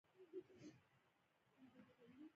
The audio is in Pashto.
کیمیا د مادې د جوړښت او بدلونونو علم دی.